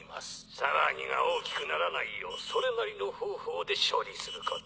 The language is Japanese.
騒ぎが大きくならないようそれなりの方法で処理すること。